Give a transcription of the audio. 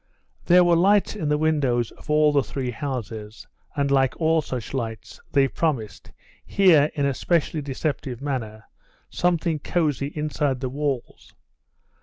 There were lights in the windows of all the three houses, and, like all such lights, they promised, here in a specially deceptive manner, something cosy inside the walls.